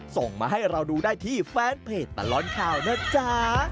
ส่งมาให้เราดูได้ที่แฟนเพจตลอดข่าวนะจ๊ะ